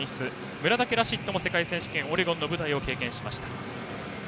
村竹ラシッドも世界選手権オレゴンの舞台を経験しました。